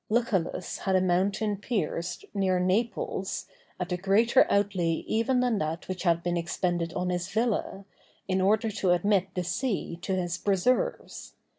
Lucullus had a mountain pierced near Naples, at a greater outlay even than that which had been expended on his villa, in order to admit the sea to his preserves.